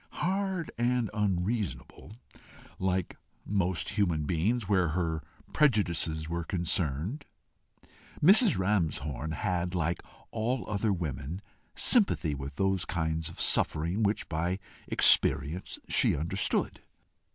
Hard and unreasonable, like most human beings, where her prejudices were concerned, she had, like all other women, sympathy with those kinds of suffering which by experience she understood.